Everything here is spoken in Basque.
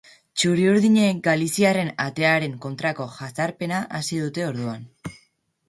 Txuriurdinek galiziarren atearen kontrako jazarpena hasi dute orduan.